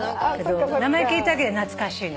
けど名前聞いただけで懐かしい。